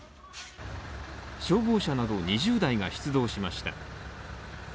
消防車など２０台が出動しました。